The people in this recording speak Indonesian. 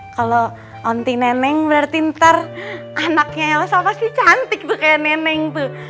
kalau onti neneng berarti ntar anaknya elsa pasti cantik tuh kayak neneng tuh